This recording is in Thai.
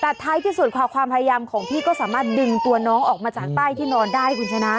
แต่ท้ายที่สุดค่ะความพยายามของพี่ก็สามารถดึงตัวน้องออกมาจากใต้ที่นอนได้คุณชนะ